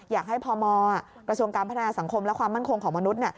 อยากให้พมกระทรวงการพัฒนาสังคมและความมั่นคงของมนุษย์